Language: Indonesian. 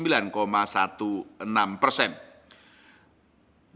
dan kredit korporasi sembilan enam belas